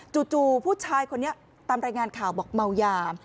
จู่ผู้ชายคนนี้ตามรายงานข่าวบอกเมายา